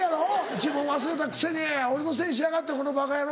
「自分忘れたくせに俺のせいにしやがってこのバカ野郎」。